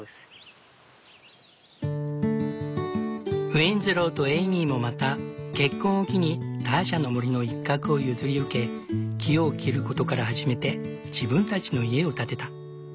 ウィンズローとエイミーもまた結婚を機にターシャの森の一角を譲り受け木を切ることから始めて自分たちの家を建てた。